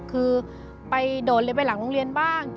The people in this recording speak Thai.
คือไปโดดเลยไปหลังโรงเรียนบ้าง